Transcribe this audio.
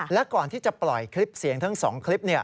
และก่อนที่จะปล่อยคลิปเสียงทั้ง๒คลิป